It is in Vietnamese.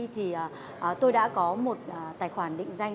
thì tôi đã có một tài khoản định danh